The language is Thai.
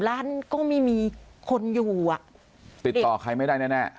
ร้านก็ไม่มีคนอยู่อ่ะติดต่อใครไม่ได้แน่แน่